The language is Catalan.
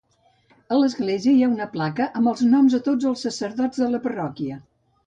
A l'església hi ha una placa amb els noms de tots els sacerdots de la parròquia.